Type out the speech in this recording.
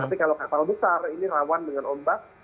tapi kalau kapal besar ini rawan dengan ombak